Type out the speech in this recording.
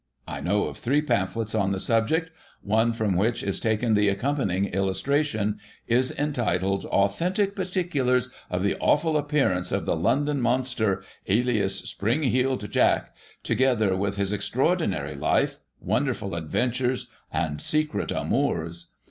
I know of three pamphlets on the subject ; one, from which is taken the accompanying illustration, is entitled "Authentic particulars of the awful Digitized by Google 30 GOSSIP. [1838 appearance of the London Monster, alias Spring heeled Jack, together with his extraordinary life, wonderful adventures and secret amours.